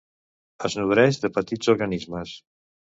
Es nodreix de petits organismes.